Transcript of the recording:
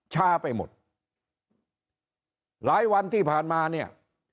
ช้าไปหมดหลายวันที่ผ่านมาเนี่ย